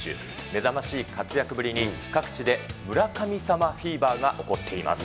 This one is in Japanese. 目覚ましい活躍ぶりに、各地で村神様フィーバーが起こっています。